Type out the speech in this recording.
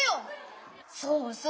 そうそう。